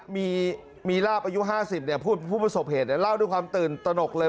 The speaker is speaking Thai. มีลาบอายุ๕๐ผู้ประสบเหตุเล่าด้วยความตื่นตนกเลย